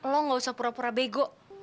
lo gak usah pura pura bego